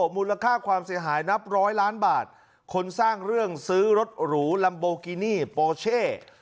มูลค่าความเสียหายนับร้อยล้านบาทคนสร้างเรื่องซื้อรถหรูลัมโบกินี่โปเช่